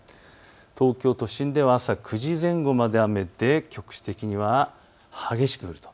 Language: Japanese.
東京都心では朝９時前後まで雨で局地的には激しく降ると。